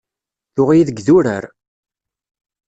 Tuɣ-iyi deg idurar.